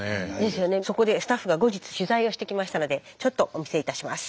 そこでスタッフが後日取材をしてきましたのでちょっとお見せいたします。